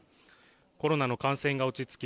コロナの感染が落ち着き